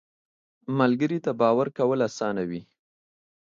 ملګری ته باور کول اسانه وي